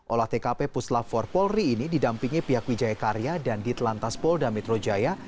olah tkp pusla for polri ini didampingi pihak wijaya karya dan ditlantas pol damitro jaya